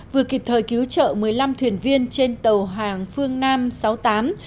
vừa kịp thời cứu trợ một mươi năm thuyền viên trên tàu hàng phương nam sáu mươi tám